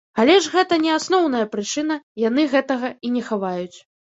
Але ж гэта не асноўная прычына, яны гэтага і не хаваюць.